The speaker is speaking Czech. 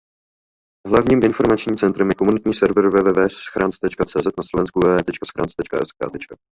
Hlavním informačním centrem je komunitní server www.schranz.cz a na Slovensku www.schranz.sk.